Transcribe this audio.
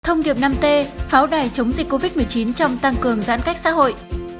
thông điệp năm t pháo đài chống dịch covid một mươi chín trong tăng cường giãn cách xã hội